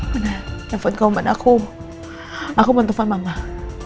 mana telepon kamu mana aku mau telfon mbak mbak